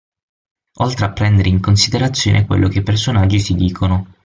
Oltre a prendere in considerazione quello che i personaggi si dicono.